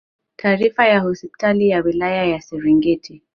Taarifa ya hospitali ya wilaya ya serengeti